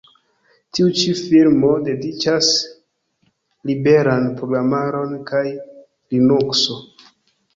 Tiu ĉi firmo dediĉas liberan programaron kaj Linukso.